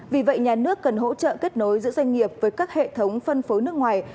vì vậy nhà nước cần hỗ trợ kết nối giữa doanh nghiệp với các hệ thống phân phối nước ngoài